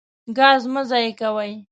ګاز مه ضایع کوئ.